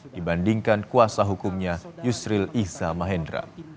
dibandingkan kuasa hukumnya yusril iza mahendra